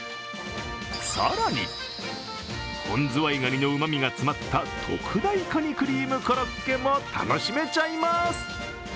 更に、本ズワイガニのうまみが詰まった特大カニクリームコロッケも楽しめちゃいます。